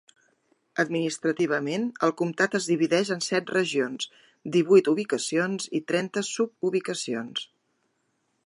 Administrativament, el comtat es divideix en set regions, divuit ubicacions i trenta sububicacions.